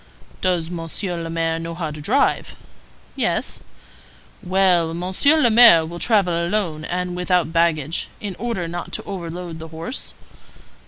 "Does Monsieur le Maire know how to drive?" "Yes." "Well, Monsieur le Maire will travel alone and without baggage, in order not to overload the horse?"